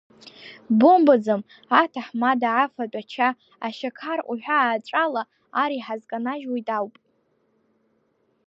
Бомбаӡам, аҭаҳмада, афатә ача, ашьақар уҳәа ааҵәала ар иҳазканажьуеит ауп…